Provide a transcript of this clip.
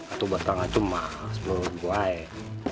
itu batangnya cuma sepuluh buah eh